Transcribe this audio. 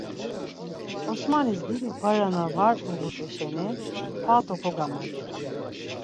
Osmanis dido para na var uğut̆u şeni palto kogamaçu.